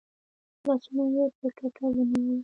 لاسونه یې پر ټتر ونیول .